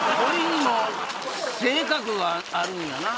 鯉にも性格があるんやな